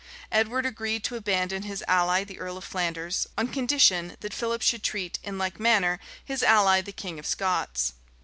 Edward agreed to abandon his ally the earl of Flanders, on condition that Philip should treat in like manner his ally the king of Scots.